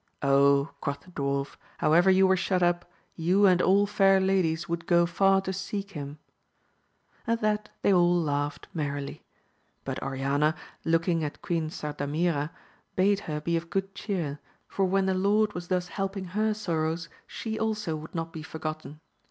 Oh, quoth the dwarf, however you were shut up, you and all fair ladies would go far to seek him« At that they all laughed merrily. But Oriana, looking at Queen Sardamira, bade her be of good cheer, for when the Lord was thus helping her sorrows, she also would not be forgotten.